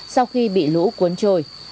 sau khi bị lũ cuốn trôi